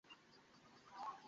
জোরে টানুন বস!